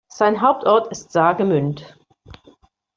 Sein Hauptort ist Saargemünd.